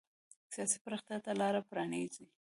سیاسي پراختیا ته لار پرانېزي.